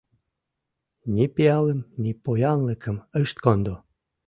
Ни пиалым, ни поянлыкым ышт кондо.